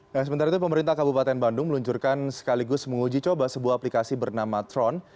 nah sementara itu pemerintah kabupaten bandung meluncurkan sekaligus menguji coba sebuah aplikasi bernama tron